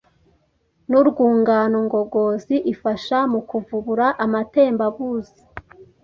n’urwungano ngogozi ifasha mu kuvubura amatembabuzi,